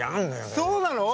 そうなの？